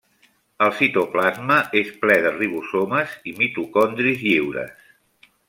El citoplasma és ple de ribosomes i mitocondris lliures.